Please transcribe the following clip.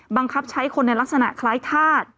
บังคับใช้คนในลักษณะคล้ายธาตุ